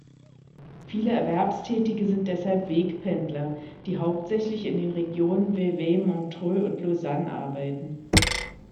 Viele Erwerbstätige sind deshalb Wegpendler, die hauptsächlich in den Regionen Vevey-Montreux und Lausanne arbeiten.